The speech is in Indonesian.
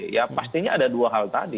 ya pastinya ada dua hal tadi